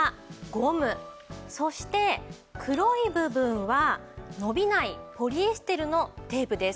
そして黒い部分は伸びないポリエステルのテープです。